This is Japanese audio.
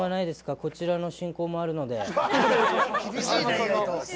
こちらの進行もあるので。